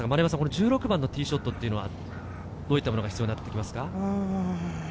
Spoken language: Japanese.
１６番のティーショットは、どういったものが必要になってきますか？